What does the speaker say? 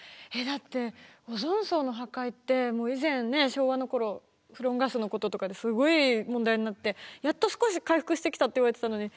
だってオゾン層の破壊って以前昭和の頃フロンガスのこととかですごい問題になってやっと少し回復してきたっていわれてたのに。